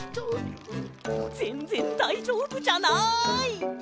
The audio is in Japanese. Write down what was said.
ぜんぜんだいじょうぶじゃない！